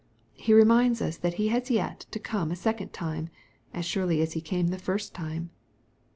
He reminds us that He has yet to come a second time, as surely as He came the first time.